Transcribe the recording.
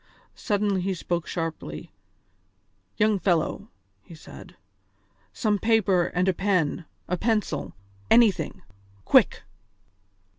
Suddenly he spoke sharply: "Young fellow," he said, "some paper and a pen, a pencil, anything. Quick!"